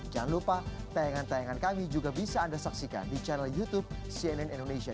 jangan lupa tayangan tayangan kami juga bisa anda saksikan di channel youtube cnn indonesia